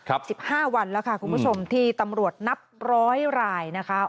สิบห้าวันแล้วค่ะคุณผู้ชมที่ตำรวจนับร้อยรายนะคะ